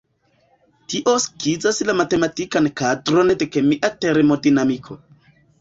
Tio skizas la matematikan kadron de kemia termodinamiko.